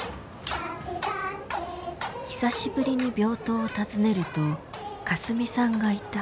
久しぶりに病棟を訪ねるとかすみさんがいた。